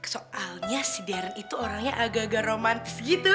soalnya si darren itu orangnya agak agak romantis gitu